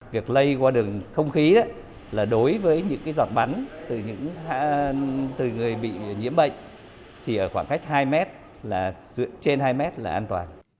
việc lây qua đường không khí là đối với những giọt bắn từ người bị nhiễm bệnh thì ở khoảng cách hai mét là trên hai mét là an toàn